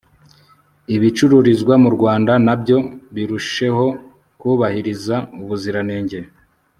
ibicururizwa mu rwanda nabyo birusheho kubahiriza ubuziranenge